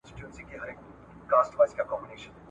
په قفس پسي یی وکړل ارمانونه ,